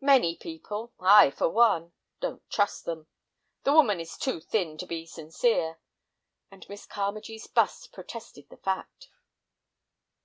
"Many people—I, for one—don't trust them. The woman is too thin to be sincere," and Miss Carmagee's bust protested the fact.